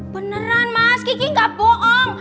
beneran mas kiki gak bohong